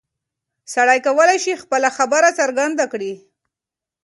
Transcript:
سړی کولی شي خپله خبره څرګنده کړي.